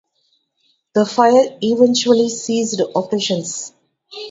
The Fire eventually ceased operations.